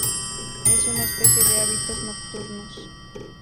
Es una especie de hábitos nocturnos.